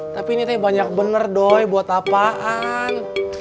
tapi ini teh banyak bener doy buat apaan